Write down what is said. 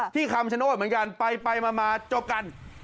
ที่คำโฉนโทษเหมือนกันไปมาจบกัน